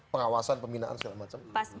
pengawasan pembinaan segala macam